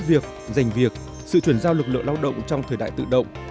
mất việc dành việc sự chuyển giao luật lộ lao động trong thời đại tự động